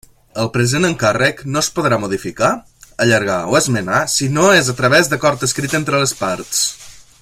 El present encàrrec no es podrà modificar, allargar o esmenar si no és a través d'acord escrit entre les parts.